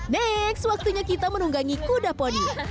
next waktunya kita menunggangi kuda podi